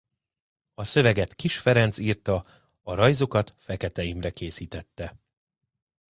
A szöveget Kiss Ferenc írta a rajzokat Fekete Imre készítette.